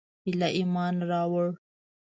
ایله ایمان راووړ.